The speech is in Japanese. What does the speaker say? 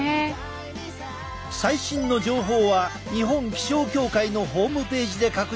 最新の情報は日本気象協会のホームページで確認できる！